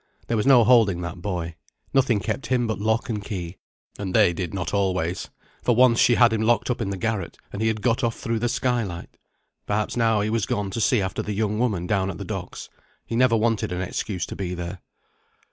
There was no holding that boy. Nothing kept him but lock and key, and they did not always; for once she had him locked up in the garret, and he had got off through the skylight. Perhaps now he was gone to see after the young woman down at the docks. He never wanted an excuse to be there.